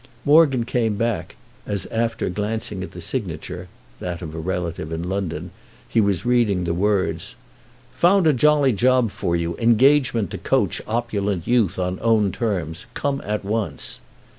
Morgan came back as, after glancing at the signature—that of a relative in London—he was reading the words: "Found a jolly job for you, engagement to coach opulent youth on own terms. Come at once."